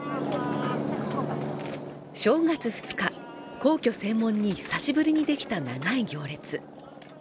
正月２日皇居正門に久しぶりにできた長い行列